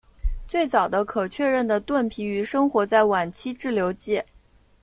最早的可确认的盾皮鱼生活在晚期志留纪。